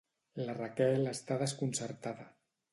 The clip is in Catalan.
La Raquel està desconcertada.